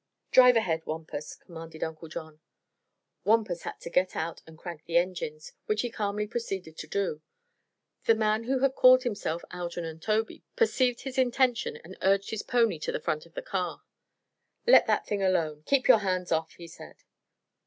"Drive ahead, Wampus," commanded Uncle John. Wampus had to get out and crank the engines, which he calmly proceeded to do. The man who had called himself Algernon Tobey perceived his intention and urged his pony to the front of the car. "Let that thing alone. Keep your hands off!" he said.